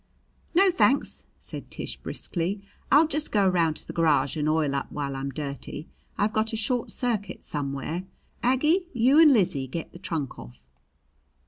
"No, thanks," said Tish briskly. "I'll just go around to the garage and oil up while I'm dirty. I've got a short circuit somewhere. Aggie, you and Lizzie get the trunk off."